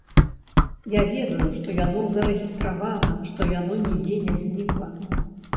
Я ведаю, што яно зарэгістравана, што яно нідзе не знікла.